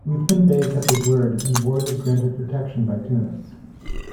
Uthman Bey kept his word and Ward was granted protection by Tunis.